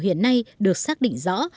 hiện nay được xác định rõ